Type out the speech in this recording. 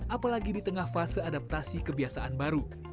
apalagi di tengah fase adaptasi kebiasaan baru